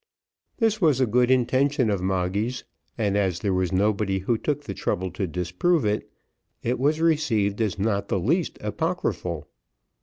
This was a good invention of Moggy's, and as there was nobody who took the trouble to disprove it, it was received as not the least apocryphal.